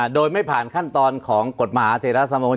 โดยไม่ผ่านขั้นตอนของกฎมหาเศรษฐ์สมบัติ